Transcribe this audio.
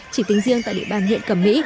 chỉ tính riêng tại địa bàn hiện cẩm mỹ